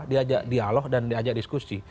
diajak dialog dan diajak diskusi